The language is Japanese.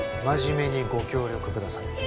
真面目にご協力ください